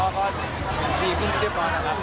พ่อก็ดีขึ้นเรียบร้อยนะครับ